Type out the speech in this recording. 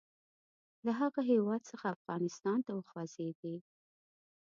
له هغه هیواد څخه افغانستان ته وخوځېدی.